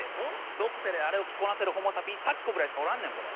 俗世であれを着こなせるホモサピ幸子ぐらいしかおらんねんこれ。